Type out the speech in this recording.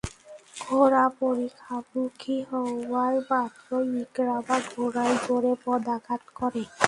ঘোড়া পরিখামুখী হওয়া মাত্রই ইকরামা ঘোড়ায় জোরে পদাঘাত করে।